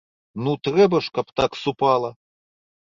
Ну трэба ж, каб так супала!